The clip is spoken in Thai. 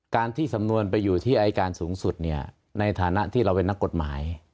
การที่สำนวนไปอยู่ที่อายการสูงสุดเนี่ยในฐานะที่เราเป็นนักกฎหมาย